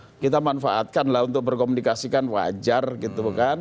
jadi ya kita manfaatkan lah untuk berkomunikasi kan wajar gitu kan